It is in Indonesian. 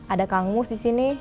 ada kang mus disini